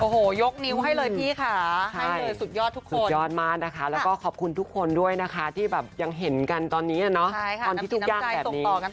ตรงนี้มีส่วนสิทธิ์วัคซีนอยู่ด้วยนะครับ